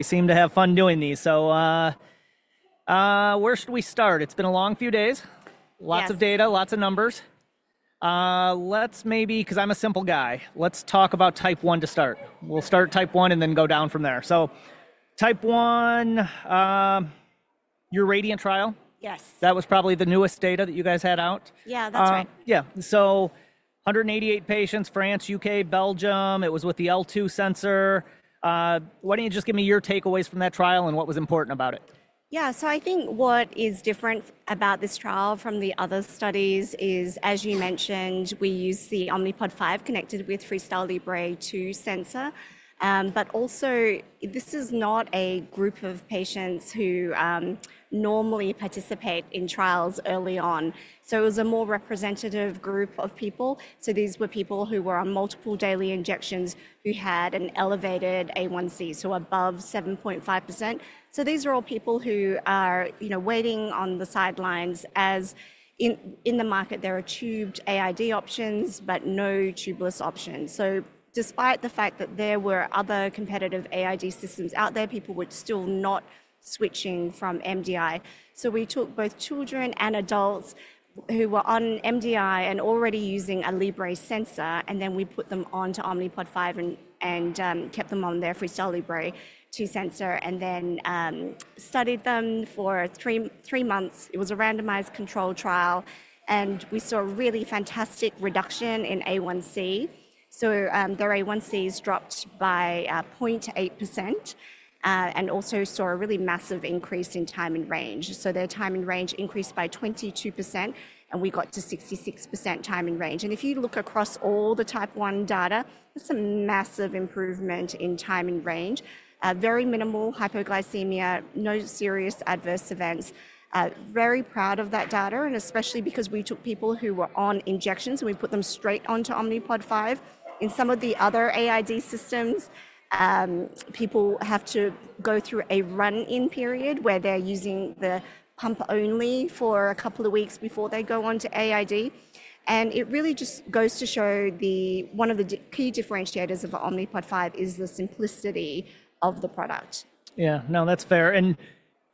Seem to have fun doing these. Where should we start? It's been a long few days. Lots of data, lots of numbers. Maybe because I'm a simple guy, let's talk about Type 1 to start. We'll start Type 1 and then go down from there. Type 1, your RADIANT trial. Yes. That was probably the newest data that you guys had out. Yeah, that's right, yeah. hundred eighty-eight patients, France, U.K., Belgium. It was with the Libre 2 sensor. Why don't you just give me your takeaways from that trial and what was important about it? Yeah, so I think what is different about this trial from the other studies is, as you mentioned, we use the Omnipod 5 connected with Freestyle Libre 2 sensor. Also, this is not a group of patients who normally participate in trials early on. It was a more representative group of people. These were people who were on multiple daily injections who had an elevated A1C, so above 7.5%. These are all people who are waiting on the sidelines. In the market, there are tubed AID options, but no tubeless options. Despite the fact that there were other competitive AID systems out there, people were still not switching from MDI. We took both children and adults who were on MDI and already using a Libre sensor, and then we put them onto Omnipod 5 and kept them on their Freestyle Libre 2 sensor and then studied them for three months. It was a randomized control trial and we saw a really fantastic reduction in A1C. Their A1Cs dropped by 0.8% and also saw a really massive increase in time in range. Their time in range increased by 22% and we got to 66% time in range. If you look across all the Type 1 data, that's a massive improvement in time in range. Very minimal hypoglycemia, no serious adverse events. Very proud of that data. Especially because we took people who were on injections and we put them straight onto Omnipod 5. In some of the other AID systems, people have to go through a run-in period where they're using the pump only for a couple of weeks before they go on to AID. It really just goes to show the. One of the key differentiators of Omnipod 5 is the simplicity of the product. Yeah, no, that's fair. And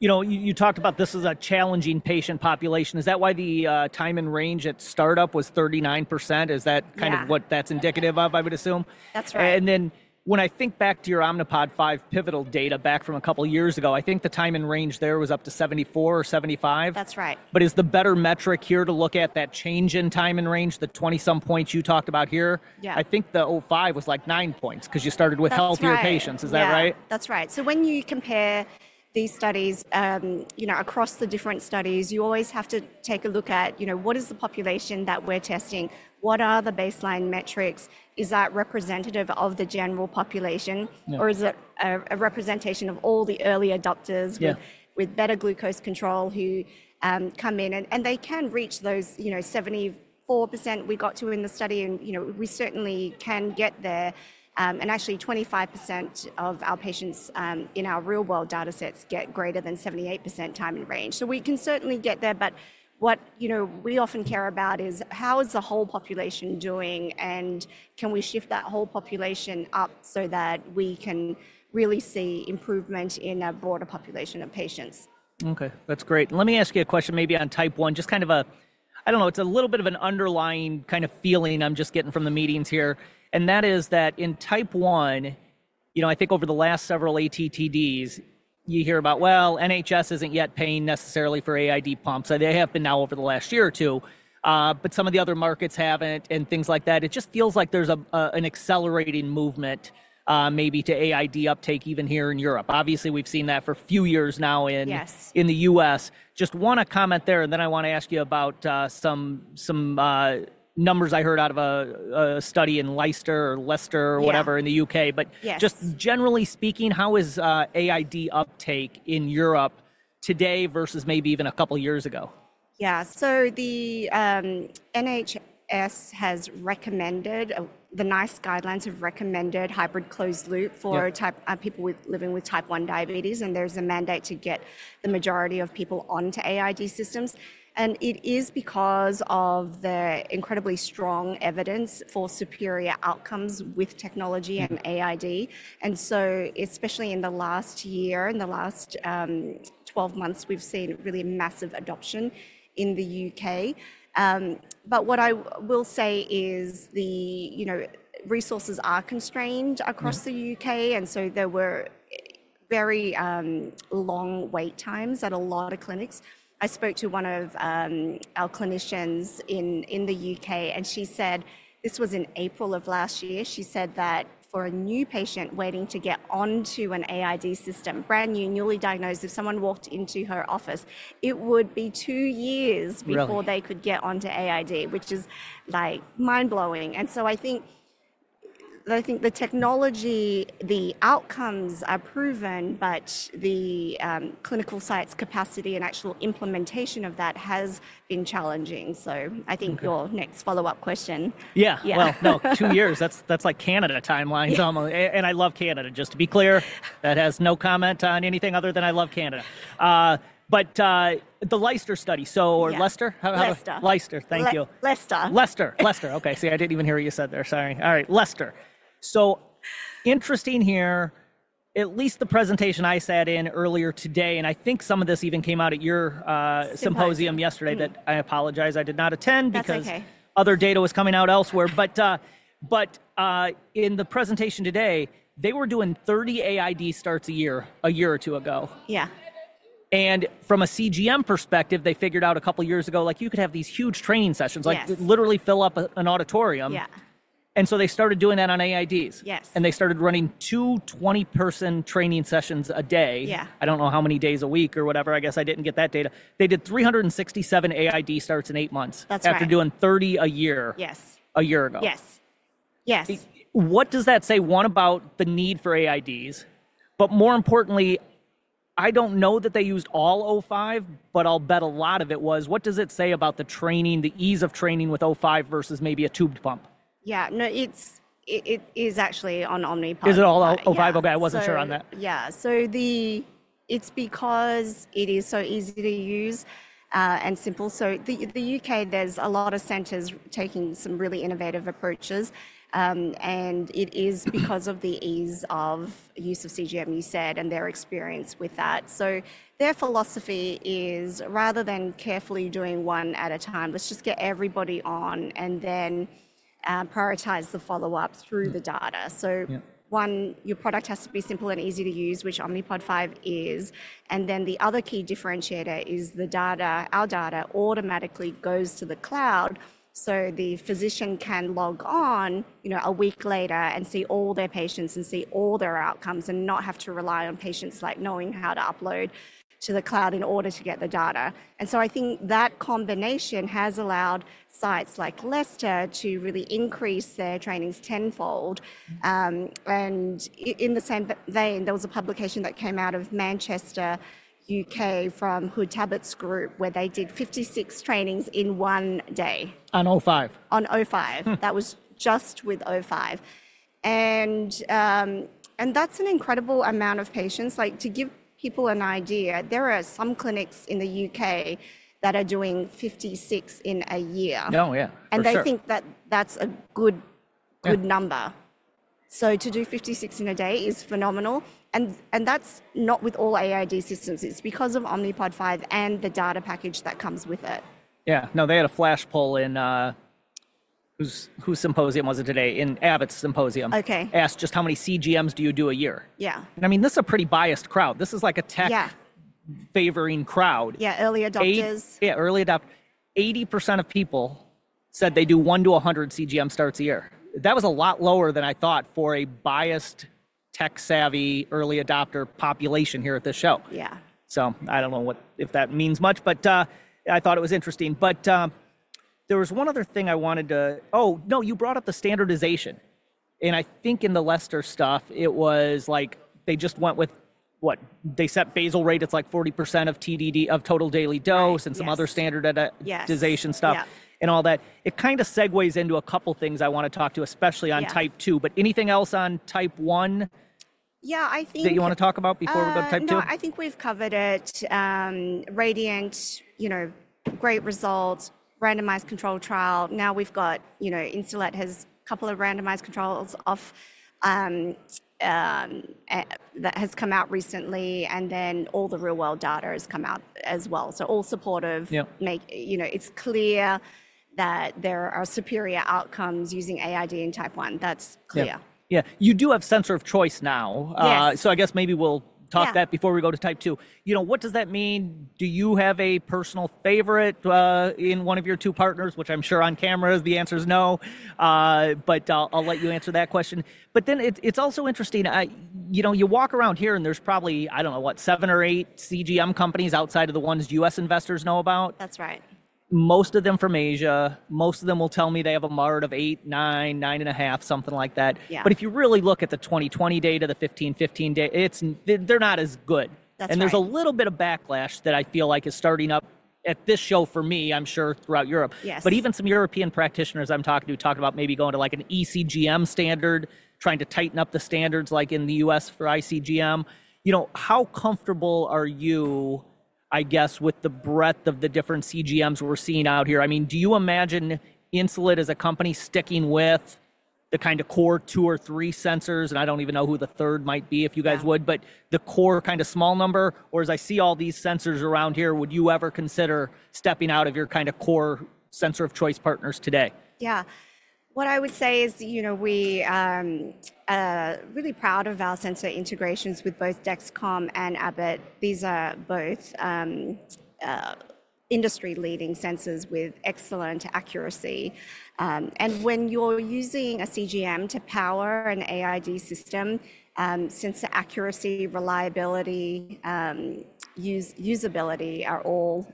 you know, you talked about this is a challenging patient population. Is that why the time in range at startup was 39%? Is that kind of what that's indicative of. I would assume that's right. And then when I think back to your Omnipod 5 pivotal data back from a couple years ago, I think the time in range there was up to 74% or 75%. That's right. Is the better metric here to look at that change in time in range, the 20 some points you talked about here? I think the O5 was like nine points because you started with healthier patients, is that right? That's right. When you compare these studies, you know, across the different studies, you always have to take a look at, you know, what is the population that we're testing, what are the baseline metrics? Is that representative of the general population or is it a representation of all the early adopters with better glucose control who come in and they can reach those, you know, 74% we got to in the study and, you know, we certainly can get there and actually 25% of our patients in our real world data sets get greater than 78% time in range. We can certainly get there. What, you know, we often care about is how is the whole population doing and can we shift that whole population up so that we can really see improvement in a broader population of patients? Okay, that's great. Let me ask you a question. Maybe on type one, just kind of a, I don't know, it's a little bit of an underlying kind of feeling I'm just getting from the meetings here and that is that in type one. You know, I think over the last several ATTD's you hear about, well, NHS isn't yet paying necessarily for AID pumps. They have been now over the last year or two, but some of the other markets haven't and things like that. It just feels like there's an accelerating movement maybe to AID uptake, even here in Europe. Obviously we've seen that for a few years now in. Yes. In the U.S. Just want to comment there. Then I want to ask you about some numbers I heard out of a study in Leicester or Leicester or whatever in the U.K. Just generally speaking, how is AID uptake in Europe today versus maybe even a couple years ago? Yeah. The NHS has recommended the NICE guidelines, have recommended hybrid closed loop for people living with Type 1 diabetes. There is a mandate to get the majority of people onto AID systems and it is because of the incredibly strong evidence for superior outcomes with technology and AID. Especially in the last year, in the last 12 months, we've seen really massive adoption in the U.K., but what I will say is the, you know, resources are constrained across the U.K. and so there were very long wait times at a lot of clinics. I spoke to one of our clinicians in the U.K. and she said this was in April of last year. She said that for a new patient waiting to get onto an AID system, brand new, newly diagnosed, if someone walked into her office it would be two years before they could get onto AID, which is like mind blowing. I think the technology, the outcomes are proven, but the clinical sites capacity and actual implementation of that has been challenging. I think your next follow up question. Yeah, no, two years, that's like Canada timelines almost and I love Canada. Just to be clear, that has no comment on anything other than I love Canada. The Leicester study, or Leicester. Leicester, Leicester. Thank you. Lester. Lester. Okay, see I didn't even hear what you said there. Sorry. All right, Lester. Interesting here, at least the presentation I sat in earlier today and I think some of this even came out at your symposium yesterday that I apologize, I did not attend because other data was coming out elsewhere. In the presentation today they were doing 30 AID starts a year. A year or two ago, yeah. From a CGM perspective they figured out a couple years ago like you could have these huge training sessions like literally fill up an auditorium. They started doing that on AIDs. Yes. They started running two 20 person training sessions a day. I don't know how many days a week or whatever. I guess I didn't get that data. They did 367 AID starts in eight months after doing 30 a year. Yes. A year ago. Yes, yes. What does that say one about the need for AID. More importantly, I don't know that they used all O5 but I'll bet a lot of it was. What does it say about the training? The ease of training with O5 versus maybe a tubed pump? Yeah, no, it is actually on Omnipod. Is it all five? Okay, I wasn't sure on that. Yeah, so it's because it is so easy to use and simple. In the U.K. there's a lot of centers taking some really innovative approaches and it is because of the ease of use of CGM you said and their experience with that. Their philosophy is rather than carefully doing one at a time, let's just get everybody on and then prioritize the follow-up through the data. One, your product has to be simple and easy to use, which Omnipod 5 is, and then the other key differentiator is the data. Our data automatically goes to the cloud so the physician can log on a week later and see all their patients and see all their outcomes and not have to rely on patients like knowing how to upload to the cloud in order to get the data. I think that combination has allowed sites like Leicester to really increase their trainings tenfold. In the same vein, there was a publication that came out of Manchester, U.K. from Hood Thabit's group where they did 56 trainings in one day and O5 on. O5. That was just with O5. That's an incredible amount of patients. Like to give people an idea, there are some clinics in the U.K. that are doing 56 in a year. Oh yeah. They think that that's a good, good number. To do 56 in a day is phenomenal. That's not with all AID systems. It's because of Omnipod 5 and the data package that comes with it. Yeah, no, they had a flash poll in, whose symposium was it today, in Abbott's symposium. Okay. Asked just how many CGMs do you do a year? Yeah, I mean this is a pretty biased crowd. This is like a tech favoring crowd. Yeah. Early adopters. Yeah, early adopter. 80% of people said they do 1-100 CGM starts a year. That was a lot lower than I thought for a biased, tech savvy early adopter population here at this show. Yeah. I do not know if that means much, but I thought it was interesting. There was one other thing I wanted to—oh no, you brought up the standardization and I think in the Leicester stuff it was like they just went with what they set basal rate. It is like 40% of TDD of total daily dose and some other standardization stuff and all that. It kind of segues into a couple things I want to talk to, especially on Type 2. Anything else on Type 1? Yeah, I think that you want to. Talk about before we go to Type 2. I think we've covered it. RADIANT, you know, great results. Randomized control trial. Now we've got, you know, Insulet has a couple of randomized controls off that has come out recently and then all the real world data has come out as well. All supportive make, you know, it's clear that there are superior outcomes using AID in Type 1. That's clear. Yeah. You do have sensor of choice now. I guess maybe we'll talk that before we go to Type 2. You know, what does that mean, do you have a personal favorite in one of your two partners, which I'm sure on camera the answer is no, but I'll let you answer that question. It's also interesting, you know, you walk around here and there's probably, I don't know, what, seven or eight CGM companies outside of the ones US investors know about. That's right, most of them from Asia. Most of them will tell me they have a MARD of eight, nine, nine and a half, something like that. If you really look at the 20/20 data, the 15/15 data Would you ever consider stepping out of your kind of core sensor of choice partners today? Yeah, what I would say is, you know we are really proud of our sensor integrations with both Dexcom and Abbott. These are both industry leading sensors with excellent accuracy. When you're using a CGM to power an AID system since the accuracy, reliability, usability are all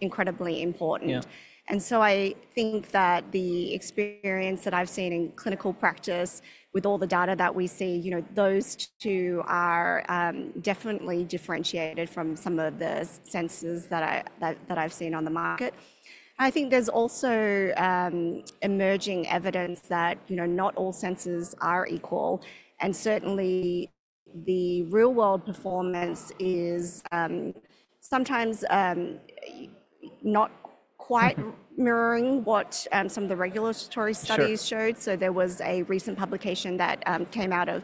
incredibly important. I think that the experience that I've seen in clinical practice with all the data that we see, you know those two are definitely differentiated from some of the sensors that I've seen on the market. I think there's also emerging evidence that, you know, not all sensors are equal and certainly the real world performance is sometimes not quite mirroring what some of the regulatory studies showed. There was a recent publication that came out of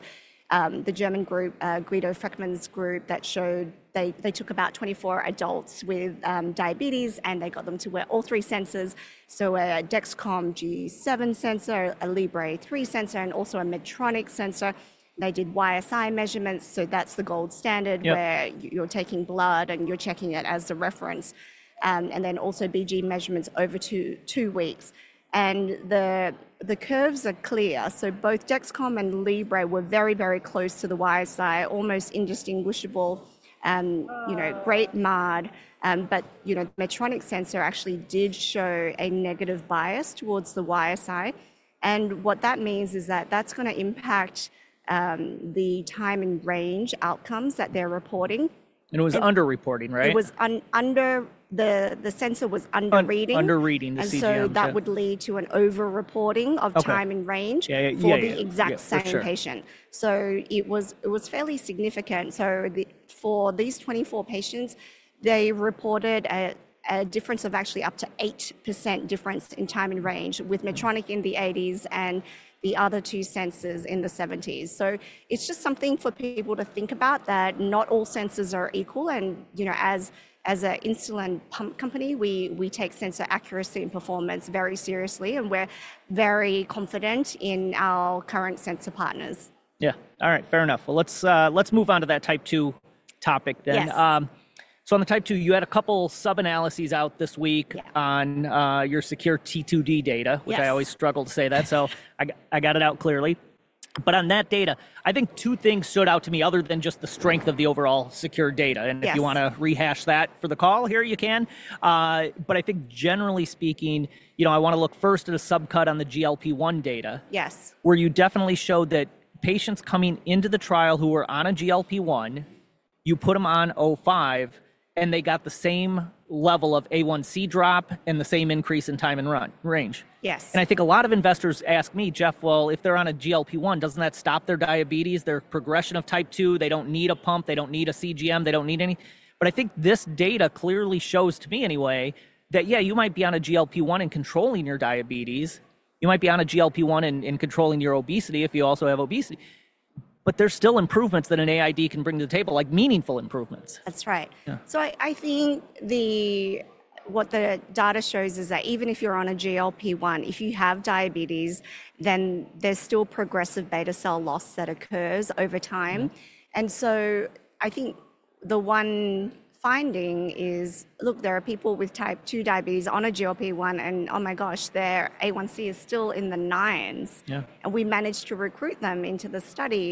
the German group, Guido Freckmann's group, that showed they took about 24 adults with diabetes and they got them to wear all three sensors. So a Dexcom G7 sensor, a Libre 3 sensor, and also a Medtronic sensor. They did YSI measurements. That's the gold standard where you're taking blood and you're checking it as a reference and then also BG measurements over two, two weeks and the, the curves are clear. Both Dexcom and Libre were very, very close to the YSI, almost indistinguishable. And you know, great MAD, but you know, Medtronic sensor actually did show a negative bias towards the YSI. What that means is that that's going to impact the time in range outcomes that they're reporting. It was underreporting. Right. It was under. The sensor was under reading. Under reading. That would lead to an over reporting of time in range for the exact same patient. It was fairly significant. For these 24 patients, they reported a difference of actually up to 8% difference in time in range with Medtronic in the 80s and the other two sensors in the 70s. It is just something for people to think about that not all sensors are equal. You know, as an insulin pump company, we take sensor accuracy and performance very seriously and we are very confident in our current sensor partners. Yeah, all right, fair enough. Let's move on to that Type 2 topic then. On the Type 2, you had a couple sub analyses out this week on your SECURE-T2D data, which I always struggle to say that, so I got it out clearly. On that data, I think two things stood out to me other than just the strength of the overall SECURE data. If you want to rehash that for the call here, you can. I think generally speaking, you know, I want to look first at a subcut on the GLP-1 data. Yes. Where you definitely showed that patients coming into the trial who were on a GLP-1, you put them on Omnipod 5 and they got the same level of A1C drop and the same increase in time in range. Yes. I think a lot of investors ask me, Jeff, if they're on a GLP-1, doesn't that stop their diabetes, their progression of Type 2? They don't need a pump, they don't need a CGM, they don't need any. I think this data clearly shows to me anyway that, yeah, you might be on a GLP-1 and controlling your diabetes, you might be on a GLP-1 and controlling your obesity if you also have obesity, but there's still improvements that an AID can bring to the table, like meaningful improvements. That's right. I think what the data shows is that even if you're on a GLP-1, if you have diabetes, then there's still progressive beta cell loss that occurs over time. I think the one finding is, look, there are people with Type 2 diabetes on a GLP-1 and oh my gosh, their A1C is still in the nines and we managed to recruit them into the study.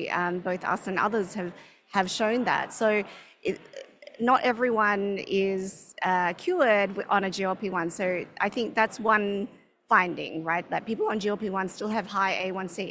Both us and others have shown that. Not everyone is cured on a GLP-1. I think that's one finding, right, that people on GLP-1 still have high A1C.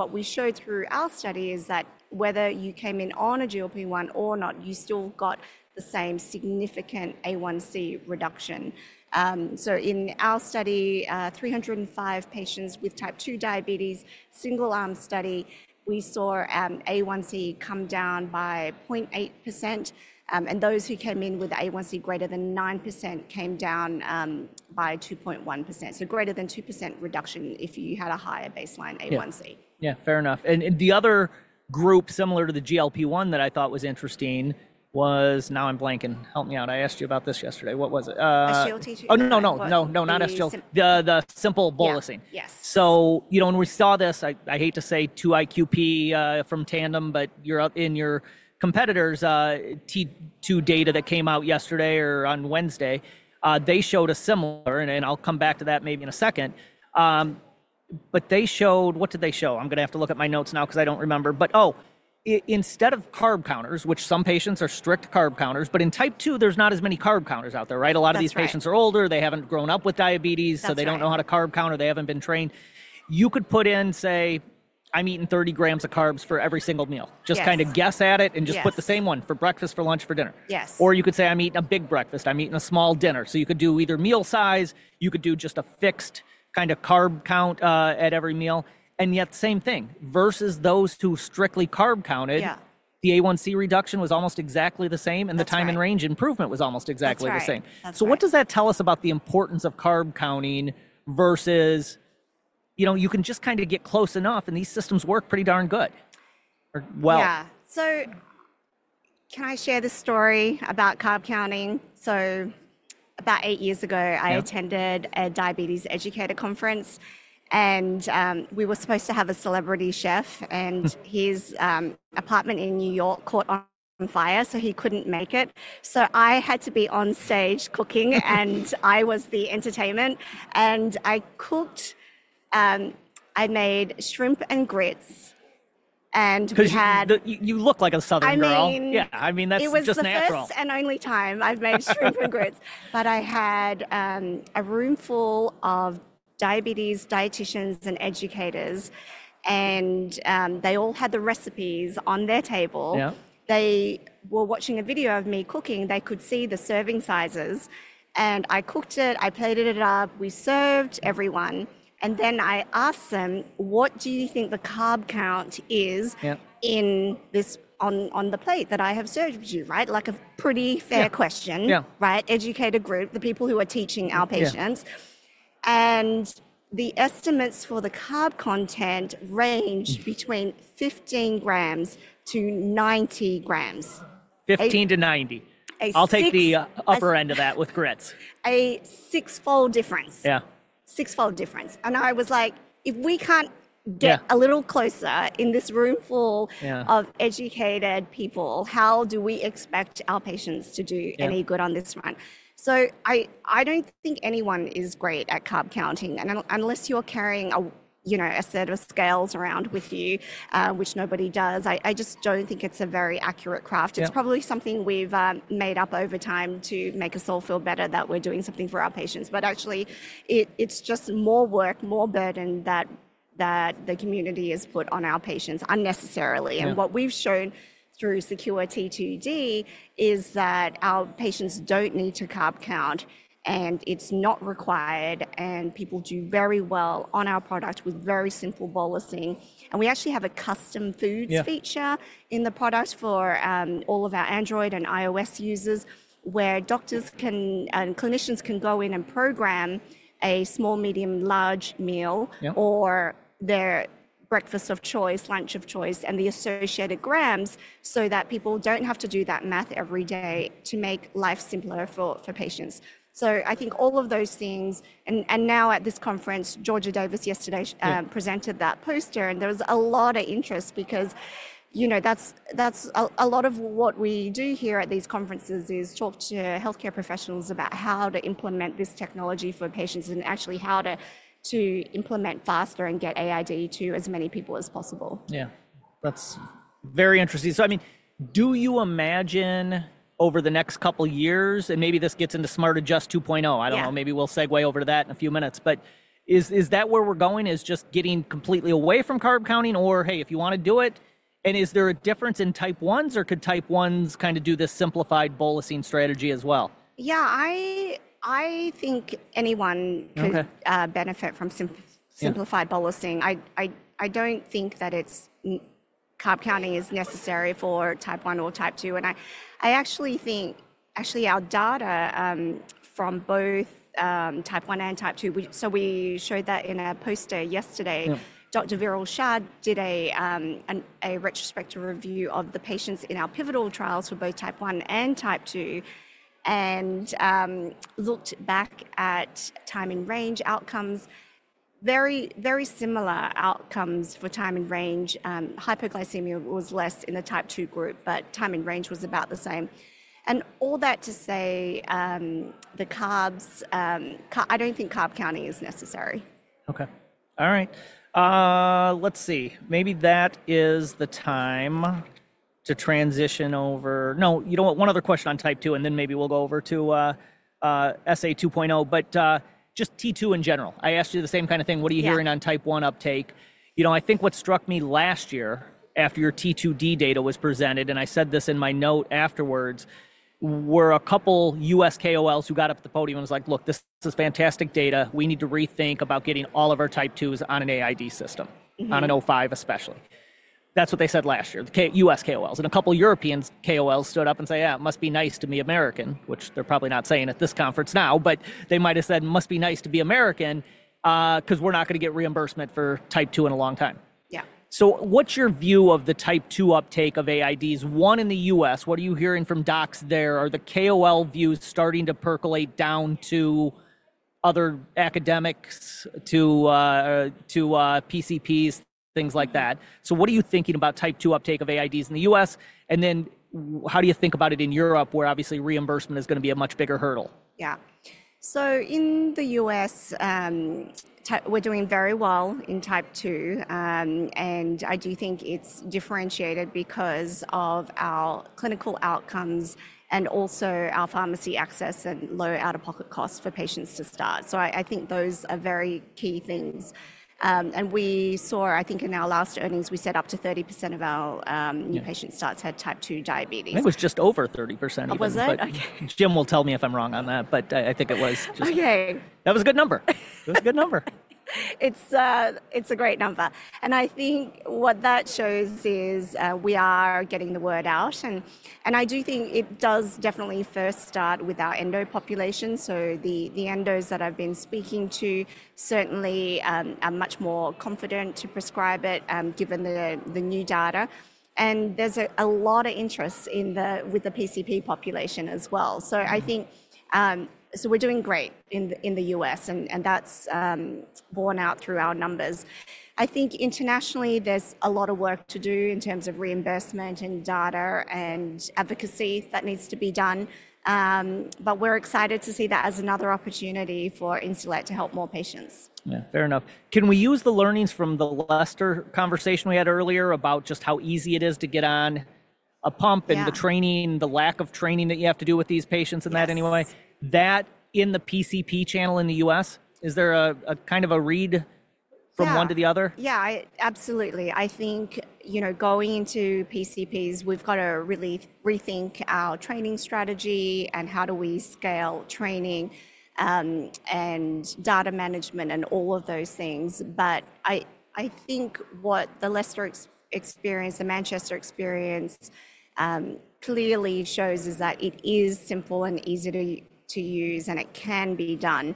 What we showed through our study is that whether you came in on a GLP-1 or not, you still got the same significant A1C reduction. In our study, 305 patients with Type 2 diabetes, single arm study, we saw A1C come down by 0.8% and those who came in with A1C greater than 9% came down by 2.1%. Greater than 2% reduction if you had a higher baseline A1C. Yeah, fair enough. The other group, similar to the GLP-1 that I thought was interesting was—now I'm blanking. Help me out. I asked you about this yesterday. What was it? Oh, no, no, no, not SGLT2, the simple bolusing. Yes. You know, when we saw this, I hate to say 2 IQP from Tandem, but you're up in your competitors' T2 data that came out yesterday or on Wednesday, they showed a similar. I'll come back to that, maybe in a second, but they showed. What did they show? I'm gonna have to look at my notes now because I don't remember. Oh, instead of carb counters, which some patients are strict carb counters, but in Type 2, there's not as many carb counters out there. Right. A lot of these patients are older, they haven't grown up with diabetes, so they don't know how to carb count. They haven't been trained. You could put in, say, I'm eating 30 grams of carbs for every single meal, just kind of guess at it and just put the same one for breakfast, for lunch, for dinner. Yes. You could say, I'm eating a big breakfast, I'm eating a small dinner. You could do either meal size, you could do just a fixed kind of carb count at every meal, and yet same thing versus those two. Strictly carb counted. The A1C reduction was almost exactly the same and the time in range improvement was almost exactly the same. What does that tell us about the importance of carb counting versus, you know, you can just kind of get close enough and these systems work pretty darn good. Well, yeah. Can I share this story about carb counting? About eight years ago, I attended a diabetes educator conference and we were supposed to have a celebrity chef and his apartment in New York caught on fire so he could not make it. I had to be on stage cooking. I was the entertainment and I cooked. I made shrimp and grits and you. Look like a southern girl. Yeah, I mean that's just natural. It was just and only time I've made shrimp and grits. I had a room full of diabetes dietitians and educators and they all had the recipes on their table. They were watching a video of me cooking. They could see the serving sizes. I cooked it, I plated it up, we served everyone. I asked them, what do you think the carb count is in this, on the plate that I have served you? Right. Like a pretty fair question, right? Educate a group, the people who are teaching our patients. The estimates for the carb content range between 15 grams to 90 grams. 15 to 90. I'll take the upper end of that with grits. A six fold difference. Yeah, six fold difference. I was like, if we can't get a little closer in this room full of educated people, how do we expect our patients to do any good on this run? I don't think anyone is great at carb counting. Unless you're carrying a, you know, a set of scales around with you, which nobody does, I just don't think it's a very accurate craft. It's probably something we've made up over time to make us all feel better that we're doing something for our patients. Actually, it's just more work, more burden that the community has put on our patients unnecessarily. What we've shown through SECURE T2D is that our patients don't need to carb count and it's not required. People do very well on our product with very simple bolusing. We actually have a custom foods feature in the product for all of our Android and iOS users where doctors and clinicians can go in and program a small, medium, large meal or their breakfast of choice, lunch of choice and the associated grams so that people do not have to do that math every day to make life simpler for patients. I think all of those things. At this conference, Georgia Davis yesterday presented that poster and there was a lot of interest because a lot of what we do here at these conferences is talk to healthcare professionals about how to implement this technology for patients, and actually how to implement faster and get AID to as many people as possible. Yeah, that's very interesting. I mean, do you imagine over the next couple years and maybe this gets into SmartAdjust 2.0? I don't know. Maybe we'll segue over to that in a few minutes. Is that where we're going, just getting completely away from carb counting, or, hey, if you want to do it. Is there a difference in Type 1s, or could Type 1s kind of do this simplified bolusing strategy as well? Yeah, I think anyone could benefit from simplified bolusing. I don't think that carb counting is necessary for Type 1 or Type 2. I actually think our data from both Type 1 and Type 2, we showed that in a poster yesterday. Dr. Virali Shah did a retrospective review of the patients in our pivotal trials for both Type 1 and Type 2 and looked back at time in range outcomes. Very, very similar outcomes for time in range. Hypoglycemia was less in the Type 2 group, but time in range was about the same. All that to say, the carbs. I don't think carb counting is necessary. Okay, all right, let's see. Maybe that is the time to transition over. No, you don't want one other question on Type 2 and then maybe we'll go over to SA 2.0, but just T2 in general. I asked you the same kind of thing. What are you hearing on Type 1 uptake? You know, I think what struck me last year after your T2D data was presented, and I said this in my note afterwards, were a couple US KOLs who got up at the podium and was like, look, this is fantastic data. We need to rethink about getting all of our Type 2s on an AID system, on an 05 especially. That's what they said last year. The US KOLs and a couple of Europeans KOLs stood up and say, it must be nice to be American. Which they're probably not saying at this conference now, but they might have said, must be nice to be American because we're not going to get reimbursement for Type 2 in a long time. Yeah. What's your view of the Type 2 uptake of AID in the US? What are you hearing from docs there? Are the KOL views starting to percolate down to other academics, to PCPs, things like that? What are you thinking about Type 2 uptake of AID in the US, and then how do you think about it in Europe, where obviously reimbursement is going to be a much bigger hurdle? Yeah. In the U.S. we're doing very well in Type 2 and I do think it's differentiated because of our clinical outcomes and also our pharmacy access and low out of pocket costs for patients to start. I think those are very key things. We saw, I think in our last earnings, we said up to 30% of our new patient starts had Type 2 diabetes. It was just over 30%. It was, it. Jim will tell me if I'm wrong on that, but I think it was just. Okay, that was a good number. It was a good number. It's a great number. I think what that shows is we are getting the word out and I do think it does definitely first start with our endo population. The endos that I've been speaking to certainly are much more confident to prescribe it, given the new data. There's a lot of interest with the PCP population as well. I think we're doing great in the US and that's borne out through our numbers. I think internationally there's a lot of work to do in terms of reimbursement and data and advocacy that needs to be done, but we're excited to see that as another opportunity for Insulet to help more patients. Fair enough. Can we use the learnings from the Leicester conversation we had earlier about just how easy it is to get on a pump and the training, the lack of training that you have to do with these patients in that anyway, that in the PCP channel in the U.S., is there a kind of a read from one to the other? Yeah, absolutely. I think, you know, going into PCPs, we've got to really rethink our training strategy and how do we scale training and data management and all of those things. I think what the Leicester experience, the Manchester experience clearly shows is that it is simple and easy to use and it can be done.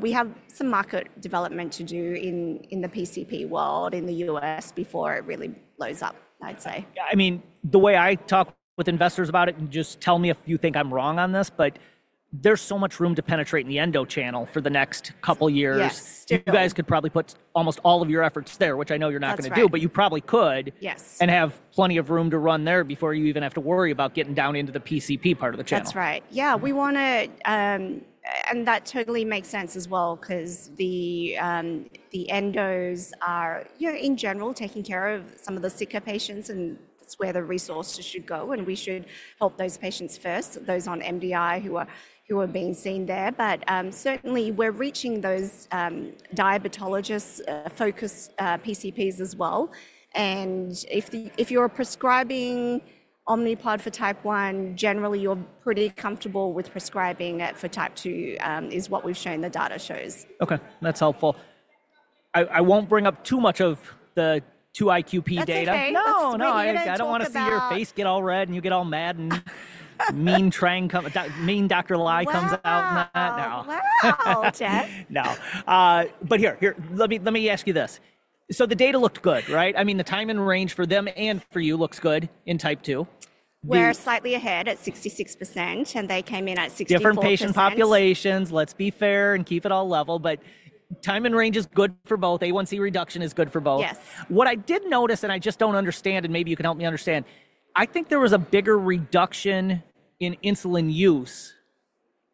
We have some market development to do in the PCP world in the US because before it really blows. I'd say, I mean, the way I talk with investors about it and just tell me if you think I'm wrong on this, but there's so much room to penetrate in the endo channel for the next couple years. You guys could probably put almost all of your efforts there, which I know you're not going to do, but you probably could. Yes. You have plenty of room to run there before you even have to worry about getting down into the PCP part of the channel. That's right, yeah. We want to and that totally makes sense as well because the endos are in general taking care of some of the sicker patients. That's where the resources should go. We should help those patients first, those on MDI who are being seen there. Certainly we're reaching those diabetologists focused PCPs as well. If you're prescribing Omnipod for Type 1, generally, you're pretty comfortable with prescribing it for Type 2 is what we've shown the data shows. Okay, that's helpful. I won't bring up too much of the two IQP data. No, no, I don't want to see your face get all red and you get all mad and mean. Trang Ly. Mean Dr. Ly comes out now. Here, let me ask you this. The data looked good, right? I mean, the time in range for them and for you looks good. In Type 2, we're slightly ahead at 66% and they came in at 60%. Different patient populations. Let's be fair and keep it all level. Time in range is good for both. A1C reduction is good for both. What I did notice, and I just don't understand, and maybe you can help me understand. I think there was a bigger reduction in insulin use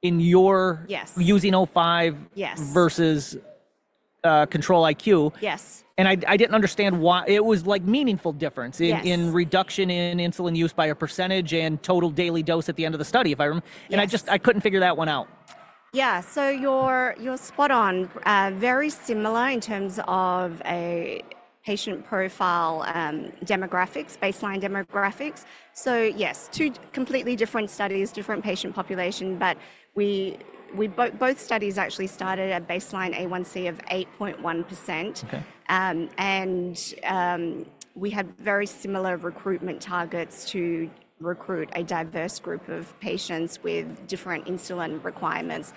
in your using Omnipod 5 versus Control-IQ. Yes. I didn't understand why. It was like meaningful difference in reduction in insulin use by a percentage and total daily dose at the end of the study, if I remember. I just, I couldn't figure that one out. Yeah, so you're spot on. Very similar in terms of a patient profile, demographics, baseline demographics. Yes, two completely different studies, different patient population. Both studies actually started at a baseline A1C of 8.1%. We had very similar recruitment targets to recruit a diverse group of patients with different insulin requirements.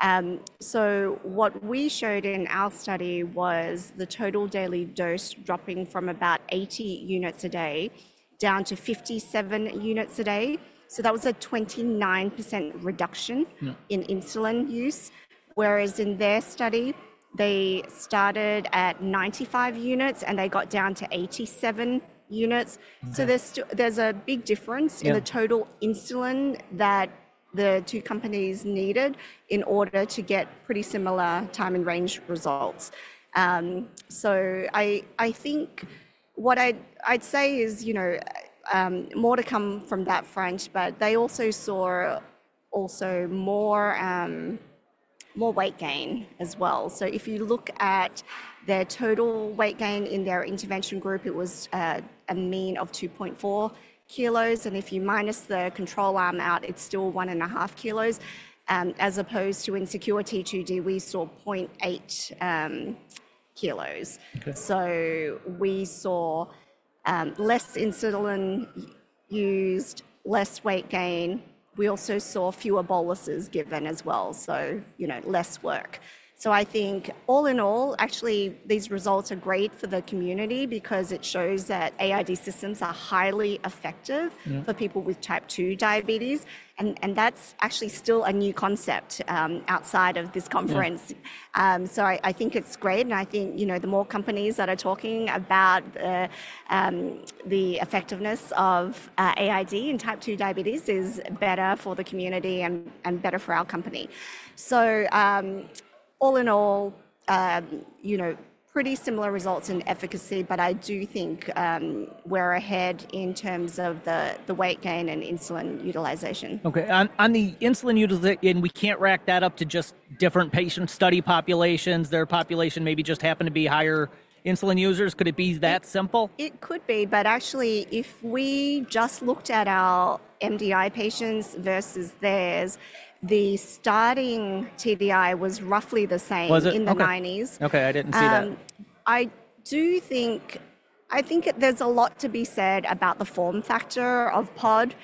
What we showed in our study was the total daily dose dropping from about 80 units a day down to 57 units a day. That was a 29% reduction in insulin use. Whereas in their study, they started at 95 units and they got down to 87 units. There's a big difference in the total insulin that the two companies needed in order to get pretty similar time in range results. I think what I'd say is, you know, more to come from that front, but they also saw more weight gain as well. If you look at their total weight gain in their intervention group, it was a mean of 2.4 kg. If you minus the control arm out, it's still 1.5 kg, as opposed to in SECURE-T2D, we saw 0.8 kg. We saw less insulin used, less weight gain. We also saw fewer boluses given as well, so, you know, less work. I think all in all, actually, these results are great for the community because it shows that AID systems are highly effective for people with Type 2 diabetes. That's actually still a new concept outside of this conference. I think it's great. I think the more companies that are talking about the effectiveness of AID in Type 2 diabetes is better for the community and better for our company. All in all, you know, pretty similar results in efficacy. I do think we're ahead in terms of the weight gain and insulin utilization. Okay. On the insulin utilization, we can't rack that up to just different patient study populations. Their population maybe just happen to be higher insulin users. Could it be that simple? It could be, but actually, if we just looked at our MDI patients versus theirs, the starting TDD was roughly the same in the 90s. Okay, I didn't see that. I do think. I think there's a lot to be said about the form factor of pod.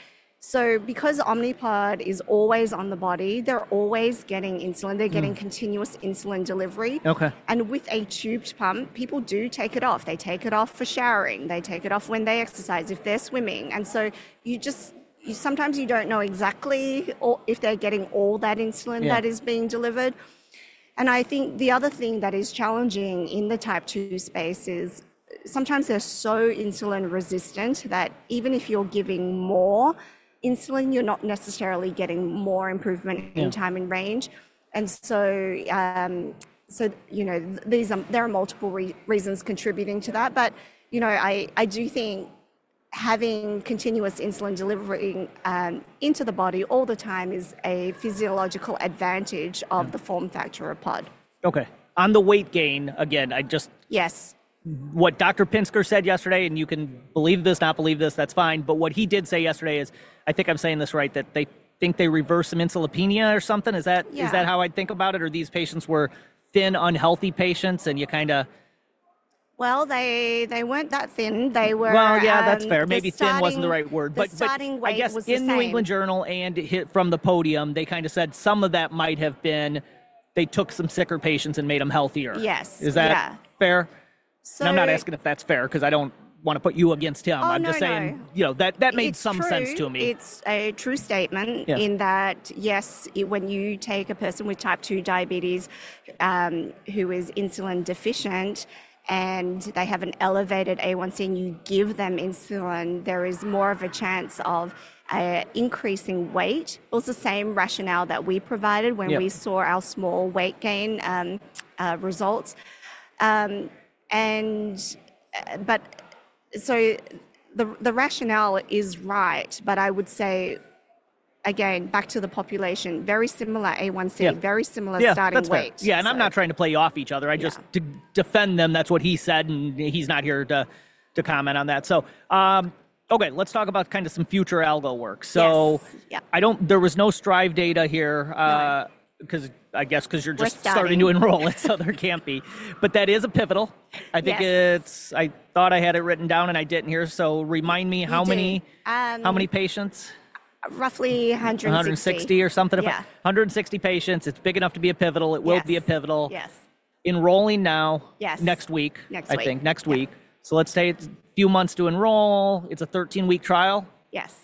Because Omnipod is always on the body, they're always getting insulin. They're getting continuous insulin delivery. With a tubed pump, people do take it off. They take it off for showering, they take it off when they exercise, if they're swimming. You just sometimes you don't know exactly if they're getting all that insulin that is being delivered. I think the other thing that is challenging in the Type 2 space is sometimes they're so insulin resistant that even if you're giving more insulin, you're not necessarily getting more improvement in time in range. You know, there are multiple reasons contributing to that. You know, I do think having continuous insulin delivering into the body all the time is a physiological advantage of the form factor of pod. Okay. On the weight gain, again, I just. Yes. What Dr. Pinsker said yesterday, and you can believe this, not believe this, that's fine. What he did say yesterday is, I think I'm saying this right, that they think they reverse some insulin or something. Is that how I'd think about it? Or these patients were thin, unhealthy patients, and you kind of. They. They weren't that thin. They were. Yeah, that's fair. Maybe thin wasn't the right word, but I guess in New England Journal and hit from the podium. They kind of said some of that might have been they took some sicker patients and made them healthier. Yes. Is that fair? I'm not asking if that's fair because I don't want to put you against him. I'm just saying, you know, that that made some sense to me. It's a true statement in that. Yes. When you take a person with Type 2 diabetes who is insulin deficient and they have an elevated A1C and you give them insulin, there is more of a chance of increasing weight. Also, same rationale that we provided when we saw our small weight gain results. The rationale is right. I would say again, back to the population. Very similar A1C, very similar starting weight. Yeah. I'm not trying to play off each other. I just defend them. That's what he said. He's not here to comment on that. Okay, let's talk about kind of some future algo work. Yeah, I don't. There was no STRIVE data here because I guess you're just starting to enroll it, so there can't be. That is a pivotal. I think it's. I thought I had it written down and I didn't hear. Remind me how many. How many patients? Roughly 160 or something. 160 patients. It's big enough to be a pivotal. It will be a pivotal. Yes. Enrolling now? Yes, next week, I think next week. Let's say it's a few months to enroll. It's a 13-week trial. Yes,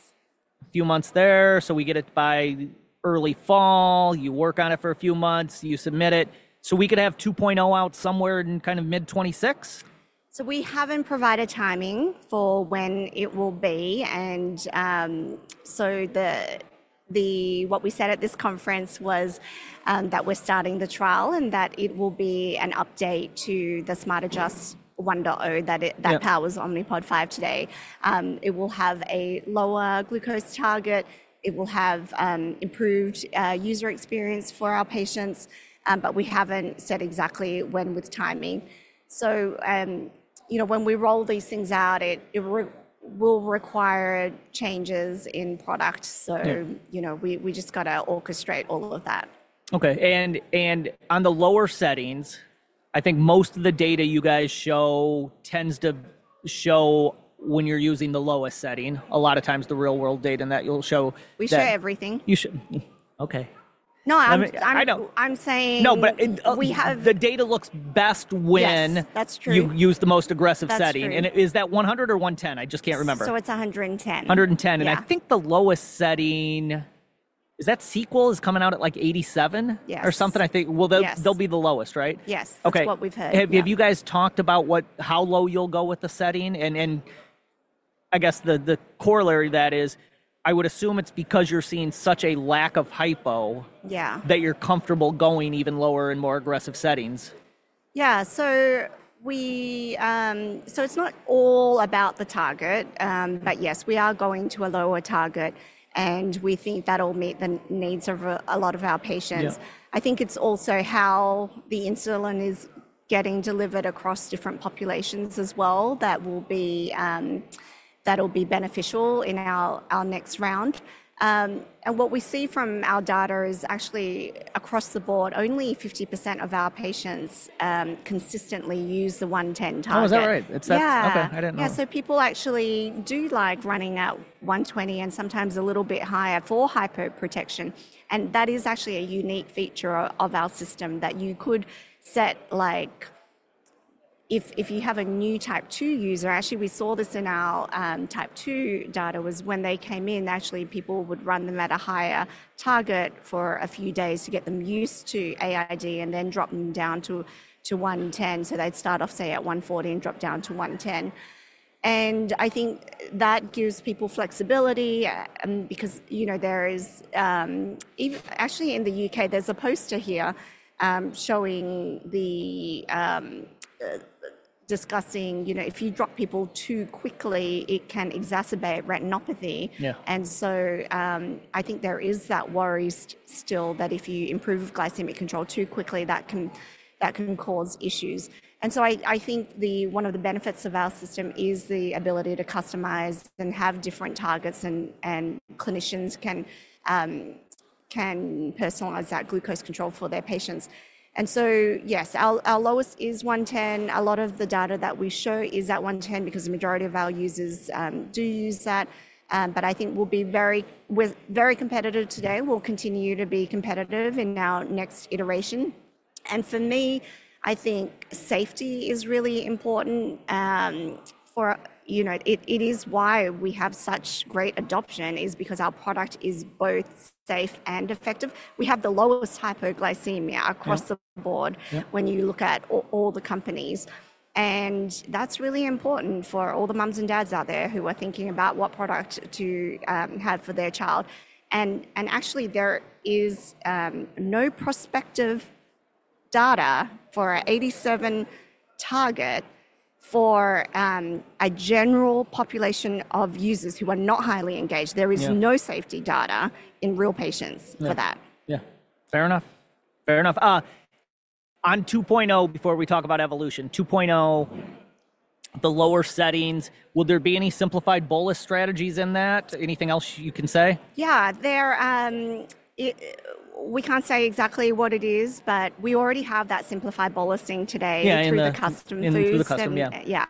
a few months there. We get it by early fall, you work on it for a few months, you submit it. We could have 2.0 out somewhere in kind of mid 2026. We haven't provided timing for when it will be. What we said at this conference was that we're starting the trial and that it will be an update to the SmartAdjust 1.0 that powers Omnipod 5 today. It will have a lower glucose target. It will have improved user experience for our patients. We haven't said exactly when with timing. When we roll these things out, it will require changes in product. We just got to orchestrate all of that. Okay. On the lower settings, I think most of the data you guys show tends to show when you're using the lowest setting, a lot of times the real world data and that you'll show. We share everything. You should. Okay. No, I know I'm saying no, but. We have the data looks best. When that's true, you use the most aggressive setting. Is that 100 or 110? I just can't remember. It's 110, 110. I think the lowest setting is that Sequel is coming out at like 87 or something, I think. That will be the lowest, right? Yes.Okay. What we've had, you guys talked about what, how low you'll go with the setting, and I guess the corollary to that is, I would assume it's because you're seeing such a lack of hypo. Yeah. That you're comfortable going even lower and more aggressive settings. Yeah. It's not all about the target, but yes, we are going to a lower target and we think that'll meet the needs of a lot of our patients. I think it's also how the insulin is getting delivered across different populations as well that will be beneficial in our next round. What we see from our data is actually across the board, only 50% of our patients consistently use the 110 target. Oh, is that right? Yeah. People actually do like running at 120 and sometimes a little bit higher for hyper protection. That is actually a unique feature of our system that you could set, like if you have a new Type 2 user. Actually, we saw this in our Type 2 data was when they came in, actually people would run them at a higher target for a few days to get them used to AID and then drop them down to 110. They'd start off, say, at 140 and drop down to 110. I think that gives people flexibility because there is even actually in the U.K. there's a poster here showing the discussing, you know, if you drop people too quickly, it can exacerbate retinopathy. I think there is that worry still that if you improve glycemic control too quickly, that can cause issues. I think one of the benefits of our system is the ability to customize and have different targets, and clinicians can personalize that glucose control for their patients. Yes, our lowest is 110. A lot of the data that we show is at 110 because the majority of our users do use that. I think we'll be very competitive today. We'll continue to be competitive in our next iteration. For me, I think safety is really important, you know, it is why we have such a great adoption is because our product is both safe and effective. We have the lowest hypoglycemia across the board. When you look at all the companies, and that's really important for all the mums and dads out there who are thinking about what product to have for their child. Actually, there is no prospective data for 87 target for a general population of users who are not highly engaged. There is no safety data in real patients for that. Yeah, fair enough. Fair enough. On 2.0, before we talk about Evolution 2.0, the lower settings, will there be any simplified bolus strategies in that? Anything else you can say? Yeah, we can't say exactly what it is, but we already have that simplified bolusing today through the Custom Foods. Yeah.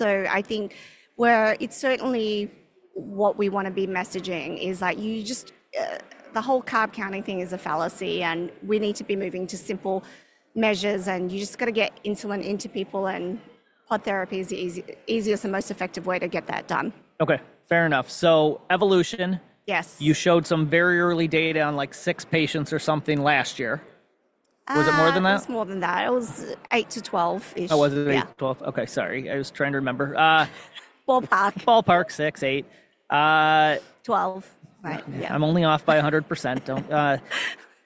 I think where it's certainly what we want to be messaging is that you just. The whole carb counting thing is a fallacy and we need to be moving to simple measures and you just got to get insulin into people and pod therapy is the easiest and most effective way to get that done. Okay, fair enough. So evolution. Yes. You showed some very early data on like six patients or something last year. Was it more than that? It's more than that. It was 8 to 12ish. Oh, was it 8-12. Okay, sorry, I was trying to remember. Ballpark. Ballpark. Six, eight, 12.Right. Yeah. I'm only off by 100%.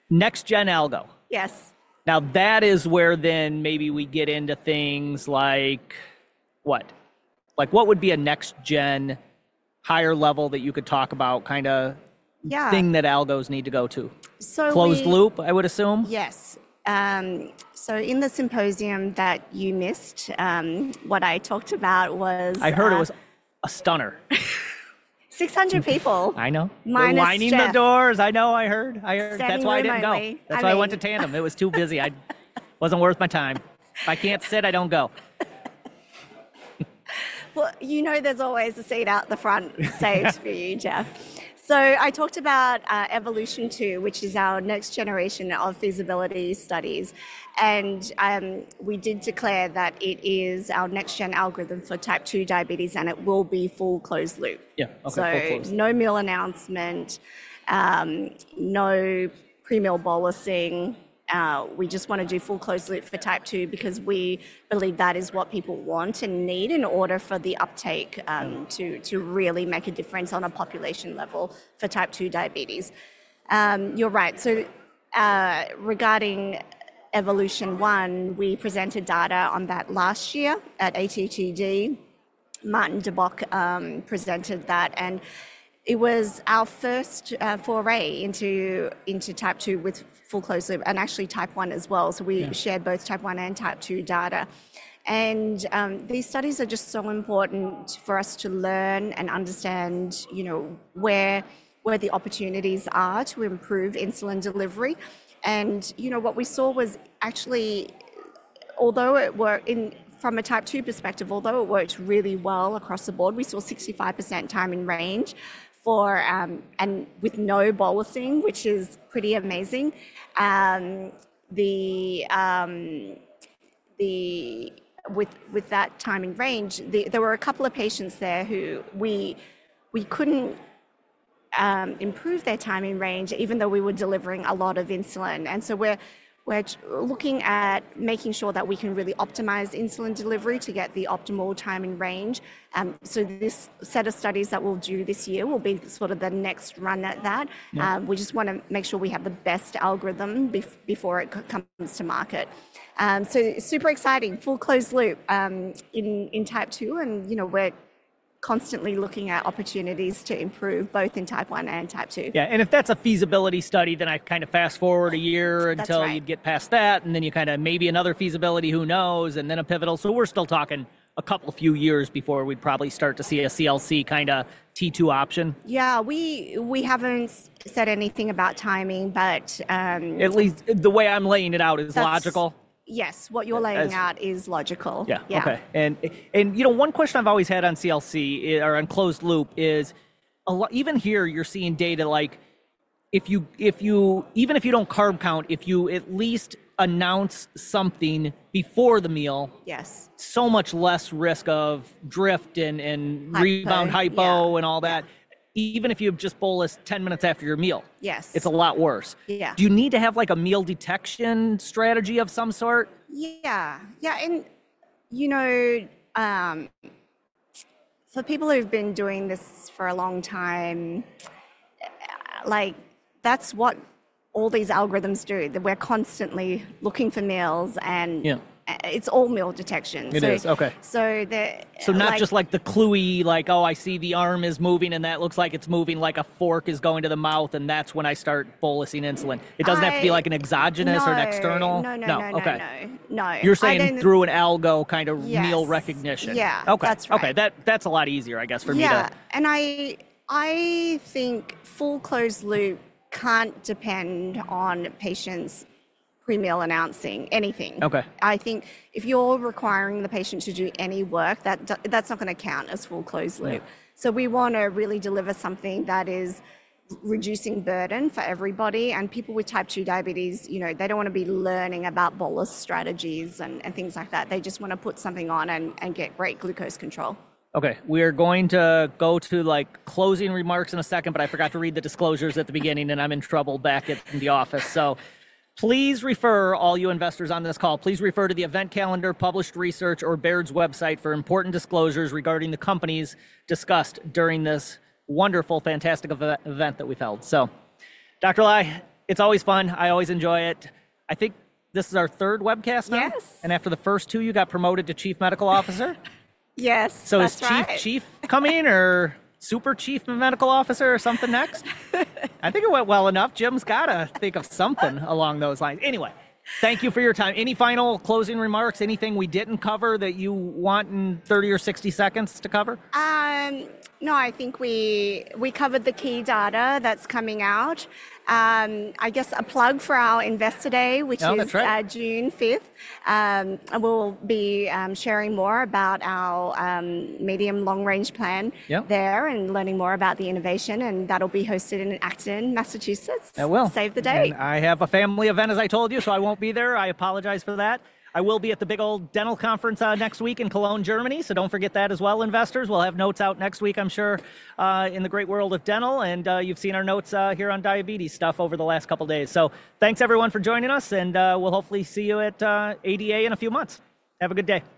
Next gen algo. Yes. Now that is where then maybe we get into things. Like what? Like what would be a next gen higher level that you could talk about kind of thing that algos need to go to closed loop, I would assume. Yes. In the symposium that you missed, what I talked about was. I heard it was a stunner. 600 people. I know. Minding the doors. I know, I heard. That's why I didn't go. That's why I went to Tandem. It was too busy. Wasn't worth my time. If I can't sit, I don't go. You know, there's always a seat out the front saved for you, Jeff. I talked about Evolution 2, which is our next generation of feasibility studies, and we did declare that it is our next gen algorithm for Type 2 diabetes and it will be full closed loop. Yeah. Okay. No meal announcement, no premeal bolusing. We just want to do full closed loop for Type 2 because we believe that is what people want and need in order for the upcoming take to really make a difference on a population level for Type 2 diabetes. You're right. Regarding Evolution 1, we presented data on that last year at ATTD. Martin de Bock presented that, and it was our first foray into Type 2 with full closed loop and actually Type 1 as well. We shared both Type 1 and Type 2 data, and these studies are just so important for us to learn and understand where the opportunities are to improve insulin delivery. What we saw was actually, although from a Type 2 perspective, although it worked really well across the board, we saw 65% time in range with no bolusing, which is pretty amazing. The. With that time in range, there were a couple of patients there who we couldn't improve their time in range even though we were delivering a lot of insulin. We are looking at making sure that we can really optimize insulin delivery to get the optimal time in range. This set of studies that we'll do this year will be sort of the next run at that. We just want to make sure we have the best algorithm before it comes to market. Super exciting. Full closed loop in Type 2. You know, we're constantly looking at opportunities to improve both in Type 1 and Type 2.Yeah. If that's a feasibility study, then I kind of fast forward a year until you get past that, and then you kind of maybe another feasibility, who knows? Then a pivotal. We're still talking a couple few years before we'd probably start to see a CLC kind of T2 option. Yeah, we haven't said anything about timing, but. At least the way I'm laying it out is logical. Yes. What you're laying out is logical. Yeah. Okay. And, you know, one question I've always had on CLC or on closed loop is a lot. Even here you're seeing data, like if you. If you. Even if you don't carb count, if you at least announce something before the meal. Yes. Much less risk of drift and rebound hypo and all that. Even if you have just bolus 10 minutes after your meal. Yes. It's a lot worse. Do you need to have, like, a meal detection strategy of some sort? Yeah. Yeah. You know, for people who've been doing this for a long time, like, that's what all these algorithms do, that we're constantly looking for meals. And it's all meal detection. It is. Okay, so. Not just like the cluey, like, oh, I see the arm is moving, and that looks like it's moving like a fork is going to the mouth. That's when I start bolusing insulin. It doesn't have to be like an exogenous or an external. No, no, no. Okay. No, you're saying through an algo kind of meal recognition. Yeah. Okay. Okay. That. That's a lot easier, I guess, for me. I think full closed loop can't depend on patients premeal announcing anything. I think if you're requiring the patient to do any work, that's not going to count as full closed loop. We want to really deliver something that is reducing burden for everybody. People with Type 2 diabetes, they don't want to be learning about bolus strategies and things like that. They just want to put something on and get great glucose control. Okay, we are going to go to closing remarks in a second, but I forgot to read the disclosures at the beginning and I'm in trouble back at the office. Please refer all you investors on this call. Please refer to the event calendar, published research, or Baird's website for important disclosures regarding the companies discussed during this wonderful, fantastic event that we've held. Dr. Lai, it's always fun. I always enjoy it. I think this is our third webcast now. After the first two, you got promoted to Chief Medical Officer. Yes. Is Chief Chief coming or Super Chief Medical Officer or something next? I think it went well enough. Jim's gotta think of something. Something along those lines. Anyway, thank you for your time. Any final closing remarks? Anything we didn't cover that you want in 30 or 60 seconds to cover? No, I think we covered the key data that's coming out. I guess a plug for our investor day, which is June 5th. We'll be sharing more about our medium long range plan there and learning more about the innovation. That'll be hosted in Acton, Massachusetts. Save the day. I have a family event, as I told you, so I won't be there. I apologize for that. I will be at the big old dental conference next week in Cologne, Germany, so don't forget that as well. Investors. We'll have notes out next week, I'm sure, in the great world of dental. You have seen our notes here on diabetes stuff over the last couple days. Thanks everyone for joining us and we'll hopefully see you at ADA in a few months. Have a good day.